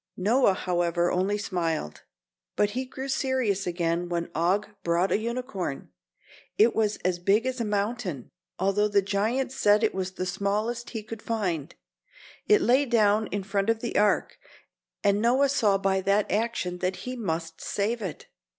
Noah, however, only smiled; but he grew serious again when Og brought a unicorn. It was as big as a mountain, although the giant said it was the smallest he could find. It lay down in front of the Ark and Noah saw by that action that he must save it.